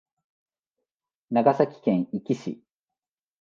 長崎県壱岐市